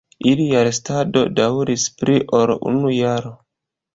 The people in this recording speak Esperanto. Ilia restado daŭris pli ol unu jaro.